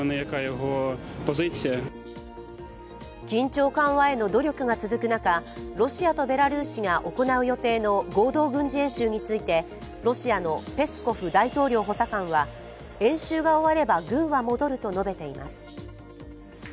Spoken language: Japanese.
緊張緩和への努力が続く中、ロシアとベラルーシが行う予定の合同軍事演習について、ロシアのペスコフ大統領補佐官は演習が終われば軍は戻ると述べています。